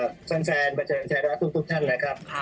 แฟนระทุกทุกท่านนะครับ